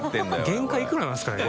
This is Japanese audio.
原価いくらなんですかね。